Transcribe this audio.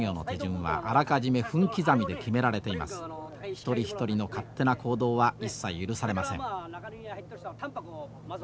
一人一人の勝手な行動は一切許されません。